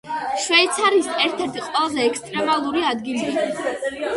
შვეიცარიის ერთ-ერთი ყველაზე ექსტრემალური ადგილია.